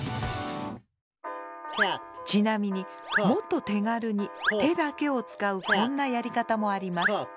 ちなみにもっと手軽に手だけを使うこんなやり方もあります。